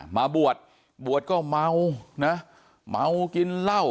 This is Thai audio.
มาบวชบวชก็เมานะเมากินเหล้า